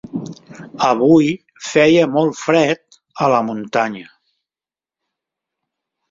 Avui feia molt fred a la muntanya.